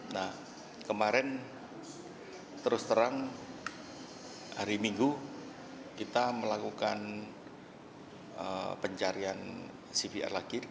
nah kemarin terus terang hari minggu kita melakukan pencarian cvr lagi